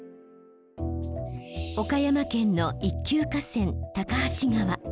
岡山県の一級河川高梁川。